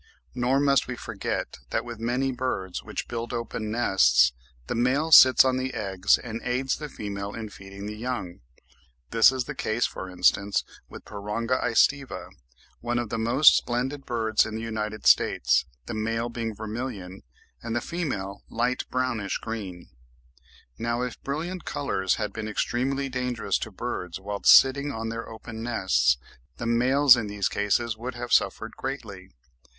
Nor must we forget that with many birds which build open nests, the male sits on the eggs and aids the female in feeding the young: this is the case, for instance, with Pyranga aestiva (11. Audubon, 'Ornithological Biography,' vol. i. p. 233.), one of the most splendid birds in the United States, the male being vermilion, and the female light brownish green. Now if brilliant colours had been extremely dangerous to birds whilst sitting on their open nests, the males in these cases would have suffered greatly.